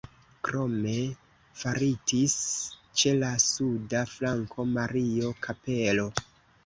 Krome faritis ĉe la suda flanko Mario-kapelo.